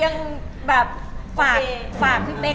แต่ว่าจะไม่ละลาเราเลย